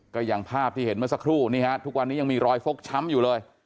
ก็อย่างภาพที่เห็นเมื่อสักครู่นี่ฮะทุกวันนี้ยังมีรอยฟกช้ำอยู่เลย